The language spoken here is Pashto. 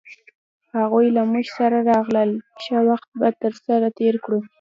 هغوی له مونږ سره راغلل ښه وخت به سره تیر کړو